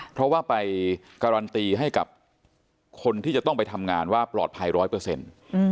เพราะว่าไปการันตีให้กับคนที่จะต้องไปทำงานว่าปลอดภัยร้อยเปอร์เซ็นต์